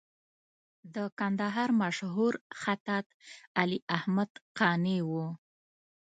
د کندهار مشهور خطاط علي احمد قانع و.